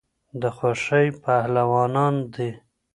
د خوښۍ پهلوانان دي